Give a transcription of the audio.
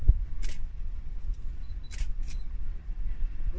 หาดเจ้าหง